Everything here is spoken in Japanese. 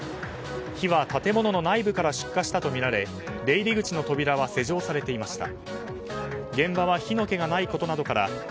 火は建物の内部から出火したとみられ出入り口の扉は施錠されていました。